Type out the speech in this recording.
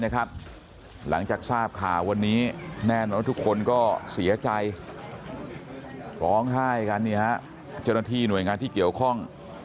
หลังจากทราบข่าววันนี้แน่นอนว่าทุกคนก็เสียใจร้องไห้กันเจ้าหน้าที่หน่วยงานที่เกี่ยวข้อง